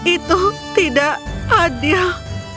itu tidak adil